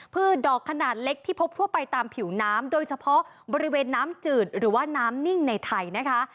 ดอกขนาดเล็กที่พบทั่วไปตามผิวน้ำโดยเฉพาะบริเวณน้ำจืดหรือว่าน้ำนิ่งในไทยนะคะ